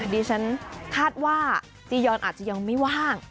ดิฉันคาดว่าจียอนอาจจะยังไม่ว่าง